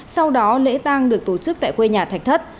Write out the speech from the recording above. sau đó lễ tang được tổ chức tại quê nhà thạch thất